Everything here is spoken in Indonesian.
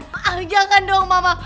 maaf jangan dong mama